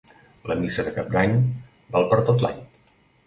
La missa de Cap d'Any val per tot l'any.